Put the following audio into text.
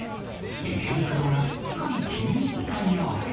池袋がすっきり気に入ったようで。